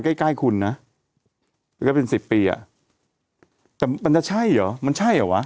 ใกล้ใกล้คุณนะก็เป็นสิบปีอ่ะแต่มันจะใช่เหรอมันใช่เหรอวะ